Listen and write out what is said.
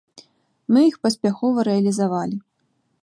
Мы іх паспяхова рэалізавалі.